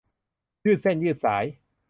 ยืดเส้นยืดสาย